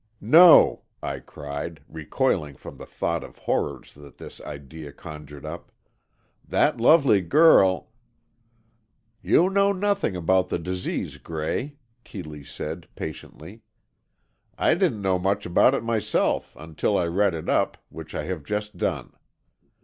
"No!" I cried, recoiling from the thought of horrors that this idea conjured up. "That lovely girl——" "You know nothing about the disease, Gray," Keeley said, patiently. "I didn't know much about it myself, until I read it up, which I have just done.